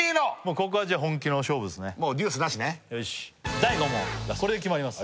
ここはじゃあ本気の勝負ですねデュースなしねよし第５問これで決まります